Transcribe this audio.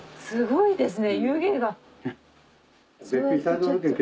すごいですね湯気が。